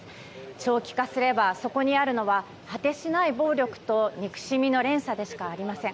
長期化すれば、そこにあるのは果てしない暴力と憎しみの連鎖でしかありません。